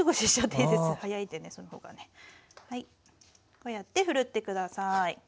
こうやってふるって下さい。